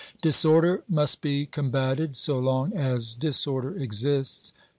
Disorder must be combated so long as disorder exists.